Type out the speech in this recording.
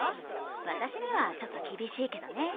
私にはちょっと厳しいけどね。